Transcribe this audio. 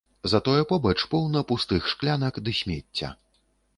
Затое побач поўна пустых шклянак ды смецця.